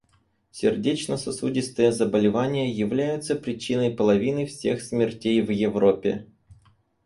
Сердечно-сосудистые заболевания являются причиной половины всех смертей в Европе.